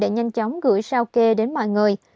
để nhanh chóng gửi sao kê đến mọi người